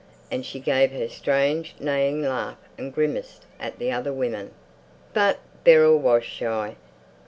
And she gave her strange neighing laugh and grimaced at the other women. But Beryl was shy.